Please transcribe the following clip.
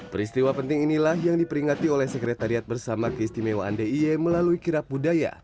peristiwa penting inilah yang diperingati oleh sekretariat bersama keistimewaan dia melalui kirap budaya